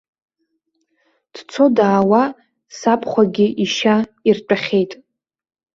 Дцодаауа сабхәагьы ишьа иртәахьеит.